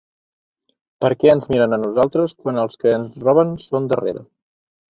Perquè ens miren a nosaltres quan els que ens roben són darrere.